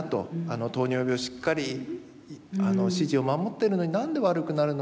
糖尿病しっかり指示を守ってるのに何で悪くなるのかな。